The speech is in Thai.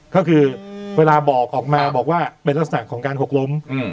ก็คือเวลาบอกออกมาบอกว่าเป็นลักษณะของการหกล้ม